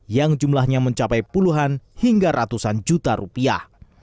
yang jumlahnya mencapai puluhan hingga ratusan juta rupiah